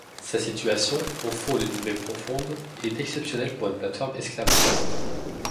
Sa situation, au fond d'une baie profonde, est exceptionnelle pour une plate-forme esclavagiste.